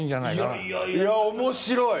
いやいや、面白い！